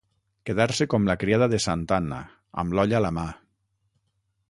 Quedar-se com la criada de santa Anna, amb l'olla a la mà.